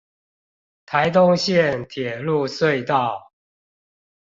臺東線鐵路隧道